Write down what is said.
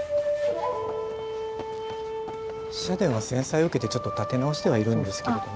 社殿は戦災を受けてちょっと建て直してはいるんですけれども。